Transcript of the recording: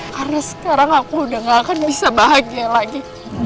karena sekarang aku udah gak akan bisa bahagia lagi